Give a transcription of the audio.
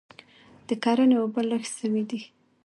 د کرني اوبه لږ سوي دي